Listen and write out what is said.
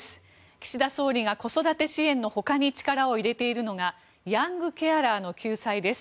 岸田総理が子育て支援のほかに力を入れているのがヤングケアラーの救済です。